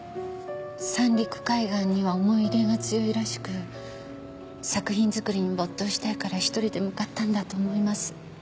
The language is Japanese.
三陸海岸には思い入れが強いらしく作品作りに没頭したいから１人で向かったんだと思います。